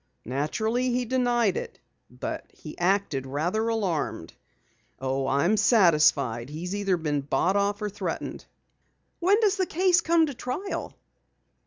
Naturally, he denied it, but he acted rather alarmed. Oh, I'm satisfied he's either been bought off or threatened." "When does the case come to trial?"